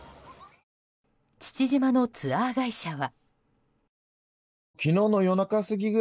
父島のツアー会社は。